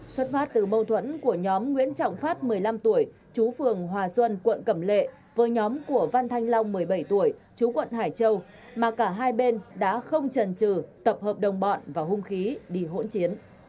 xuất phát từ mâu thuẫn của nhóm nguyễn trọng phát một mươi năm tuổi chú phường hòa xuân quận cẩm lệ với nhóm của văn thanh long một mươi bảy tuổi chú quận hải châu mà cả hai bên đã không trần trừ tập hợp đồng bọn và hung khí đi hỗn chiến